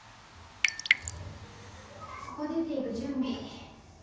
ここ出ていく準備。